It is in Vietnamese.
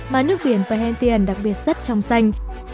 mà nước biển perhentian đặc biệt sất trong xanh